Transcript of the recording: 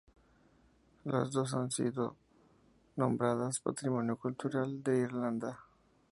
Las dos han sido han sido nombradas Patrimonio Cultural de Irlanda.